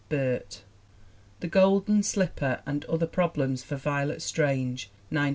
Burt. The Golden Slipper and Other Problems for Violet Strange, 1915.